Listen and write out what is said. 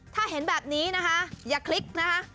ถ้าเห็นแบบนี้นะคะอย่าคลิกนะคะ